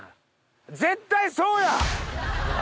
絶対そうや！